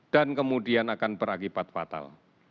dan kemudian akan berakibat fatal